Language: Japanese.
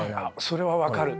それは分かる。